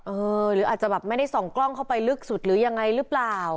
หรืออาจจะแบบไม่ได้ส่องกล้องเข้าไปลึกสุดหรือยังไงหรือเปล่า